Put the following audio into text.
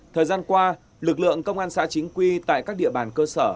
thời gian qua lực lượng công an xã chính quy tại các địa bàn cơ sở